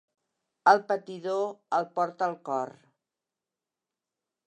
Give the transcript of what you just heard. El patidor el porta al cor.